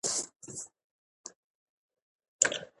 په خورا درنښت هيله کيږي